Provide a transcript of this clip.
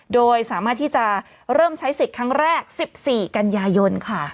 โดยสามารถที่จะเริ่มใช้สิทธิ์ครั้งแรก๑๔กันยายนค่ะ